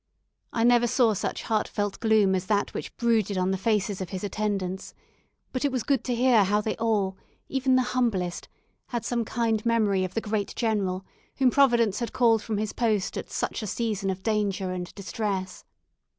I never saw such heartfelt gloom as that which brooded on the faces of his attendants; but it was good to hear how they all, even the humblest, had some kind memory of the great general whom Providence had called from his post at such a season of danger and distress.